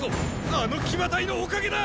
あの騎馬隊のおかげだ！